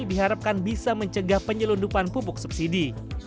diharapkan bisa mencegah penyelundupan pupuk subsidi